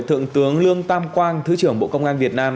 thượng tướng lương tam quang thứ trưởng bộ công an việt nam